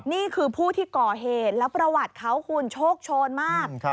นี่คือผู้ที่ก่อเหตุแล้วประวัติเขาคุณโชคโชนมาก